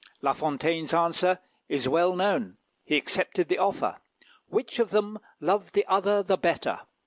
La Fontaine's answer is well known. He accepted the offer. "Which of them loved the other the better?"